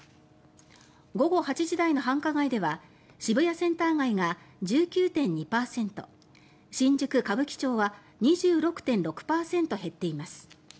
午後８時台の繁華街では渋谷センター街が１９．２％新宿・歌舞伎町は２６．６％減っています。